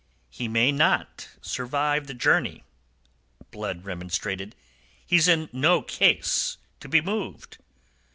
"He may not survive the journey," Blood remonstrated. "He's in no case to be moved."